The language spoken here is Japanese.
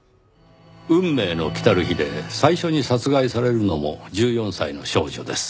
『運命の来たる日』で最初に殺害されるのも１４歳の少女です。